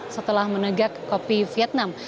setelah menegak kopi vietnam